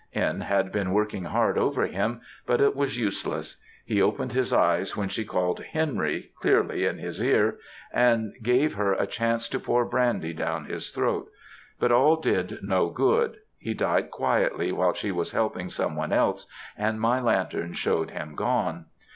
N. had been working hard over him, but it was useless. He opened his eyes when she called 'Henry' clearly in his ear, and gave her a chance to pour brandy down his throat; but all did no good; he died quietly while she was helping some one else, and my lantern showed him gone.